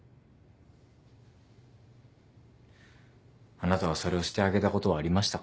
あなたはそれをしてあげたことはありましたか？